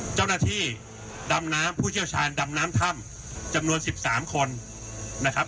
เจ้าหน้าที่ดำน้ำผู้เชี่ยวชาญดำน้ำถ้ำจำนวน๑๓คนนะครับ